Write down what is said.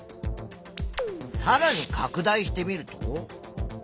さらにかく大してみると。